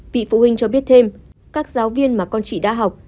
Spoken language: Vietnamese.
vị phụ huynh cho biết thêm các giáo viên mà con chị đã học